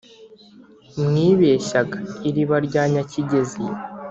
mwibeshyaga iriba rya nyakigezi.